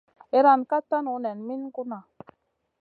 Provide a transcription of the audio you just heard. Iyran ka tanu nen min gunna.